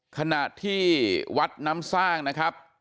ขณะที่วัดน้ำสร้างนะครับ